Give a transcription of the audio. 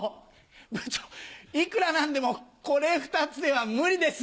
部長いくら何でもこれ２つでは無理です。